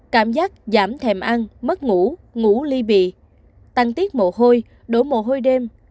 cảm giác giảm thèm ăn mất ngủ ngủ ly bị tăng tiết mồ hôi đổ mồ hôi đêm